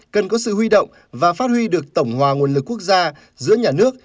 cần có sự huy động và phát huy được tổng hòa nguồn lực quốc gia giữa nhà nước